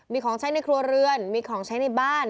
มีของใช้ในครัวเรือนมีของใช้ในบ้าน